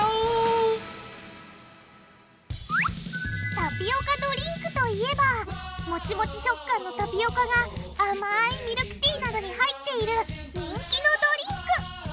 タピオカドリンクといえばモチモチ食感のタピオカが甘いミルクティーなどに入っている人気のドリンク！